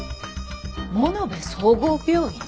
物部総合病院？